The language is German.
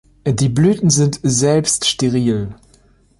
Die Blüten sind selbststeril.